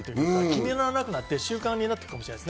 気にならなくなって、習慣になっていくかもしれない。